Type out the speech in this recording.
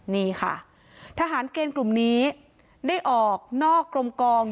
นี่ค่ะทหารเกณฑ์กลุ่มนี้ได้ออกนอกกรมกอง